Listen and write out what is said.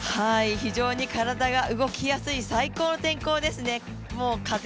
非常に体が動きやすい最高の天候ですね。